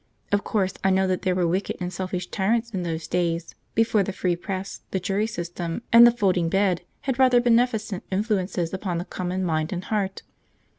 Of course I know that there were wicked and selfish tyrants in those days, before the free press, the jury system, and the folding bed had wrought their beneficent influences upon the common mind and heart.